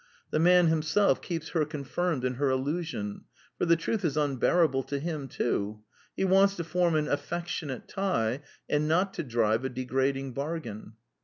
The man himself keeps her con firmed in her illusion; for the truth is unbearable to him too : he wants to form an affectionate tie, and not to drive a degrading bargain.